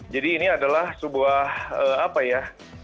jadi ini adalah sebuah apa ya